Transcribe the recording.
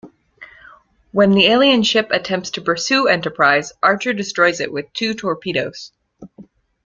When the alien ship attempts to pursue "Enterprise", Archer destroys it with two torpedoes.